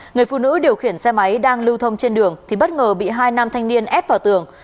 người phụ nữ điều khiển xe máy đang lưu thông trên đường thì bất ngờ bị hai nam thanh niên ép vào tường